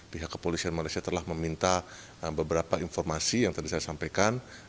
pihak kepolisian malaysia telah meminta beberapa informasi yang tadi saya sampaikan